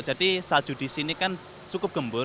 salju di sini kan cukup gembur